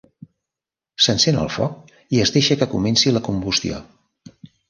S'encén el foc i es deixa que comenci la combustió.